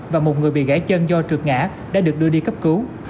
và một người bị gãy chân do trượt ngã đã được đưa đi cấp cứu